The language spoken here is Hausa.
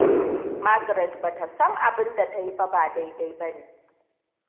Margret ba ta san abinda ta yi ba dai-dai ba ne.